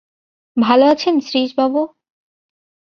ভালো আছেন শ্রীশবাবু?